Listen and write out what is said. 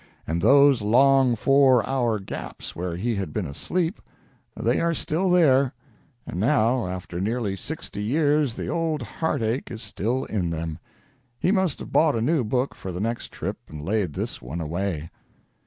And those long four hour gaps where he had been asleep they are still there; and now, after nearly sixty years, the old heartache is still in them. He must have bought a new book for the next trip and laid this one away.